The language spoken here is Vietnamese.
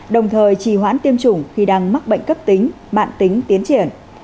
đồng thời trì hoãn tiêm chủng khi đang mắc bệnh cấp tính mạng tính tiến triển